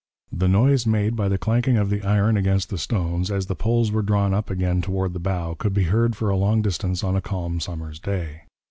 'The noise made by the clanking of the iron against the stones, as the poles were drawn up again toward the bow, could be heard for a long distance on a calm summer's day.'